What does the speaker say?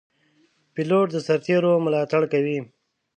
پیلوټ د سرتېرو ملاتړ کوي.